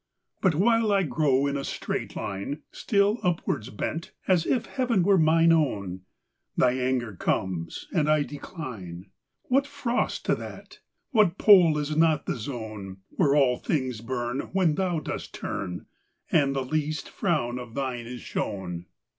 But, while I grow in a straight line, Still upwards bent, as if heav'n were mine own, Thy anger comes, and I decline:What frost to that? what pole is not the zoneWhere all things burn, When thou dost turn, And the least frown of thine is shown?